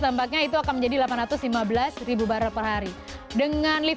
tampaknya itu akan menjadi rp delapan ratus lima belas per hari